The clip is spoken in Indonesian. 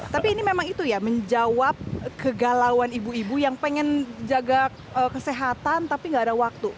tapi ini memang itu ya menjawab kegalauan ibu ibu yang pengen jaga kesehatan tapi nggak ada waktu